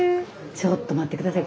ちょっと待って下さい。